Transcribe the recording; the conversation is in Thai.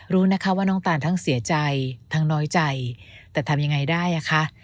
รู้นะคะว่าน้องตานทั้งเสียใจทั้งน้อยใจแต่ทำยังไงได้อ่ะคะ